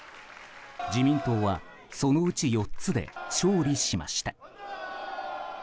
自民党はそのうち４つで勝利しました。